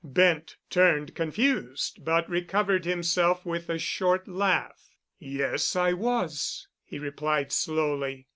Bent turned, confused, but recovered himself with a short laugh. "Yes, I was," he replied slowly.